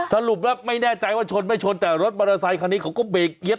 สรุปแล้วไม่แน่ใจว่าชนไม่ชนแต่รถมอเตอร์ไซคันนี้เขาก็เบรกเอี๊ยบ